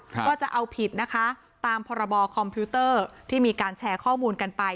ก็จะเอาผิดนะคะตามพรบคอมพิวเตอร์ที่มีการแชร์ข้อมูลกันไป